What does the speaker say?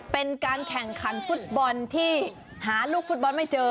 เป็นการแข่งขันฟุตบอลที่หาลูกฟุตบอลไม่เจอ